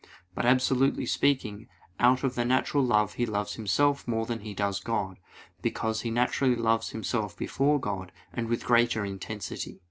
But absolutely speaking, out of the natural love he loves himself more than he does God, because he naturally loves himself before God, and with greater intensity.